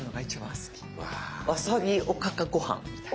わさびおかかご飯みたいな。